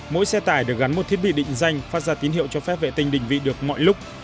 mỗi xe tải được gắn một thiết bị định danh phát ra tín hiệu cho phép vệ tinh định vị được mọi lúc